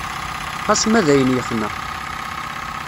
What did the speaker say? Xas ma dayen yexneq.